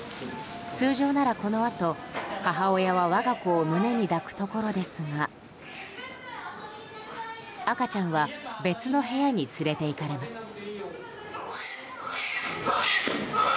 通常ならこのあと母親は我が子を胸に抱くところですが赤ちゃんは別の部屋に連れていかれます。